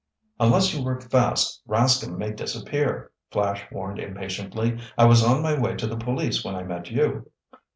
"Unless you work fast, Rascomb may disappear," Flash warned impatiently. "I was on my way to the police when I met you."